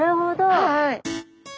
はい。